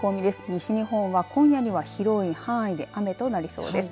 西日本は今夜は広い範囲で雨となりそうです。